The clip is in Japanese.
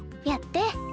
やって。